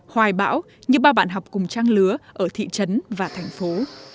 hoài bão như bao bạn học cùng trang lứa ở thị trấn và thành phố